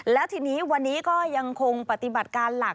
และทีนี้วันนี้ก็ยังคงปฏิบัติการหลัก